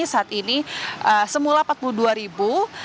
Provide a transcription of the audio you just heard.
saat ini semula rp empat puluh dua